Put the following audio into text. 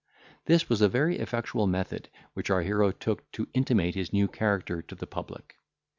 This was a very effectual method which our hero took to intimate his new character to the public.